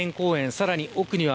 さらに奥には